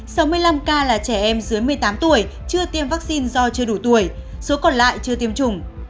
sáu mươi năm ca là trẻ em dưới một mươi tám tuổi chưa tiêm vaccine do chưa đủ tuổi số còn lại chưa tiêm chủng